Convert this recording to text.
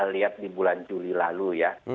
lihat di bulan juli lalu ya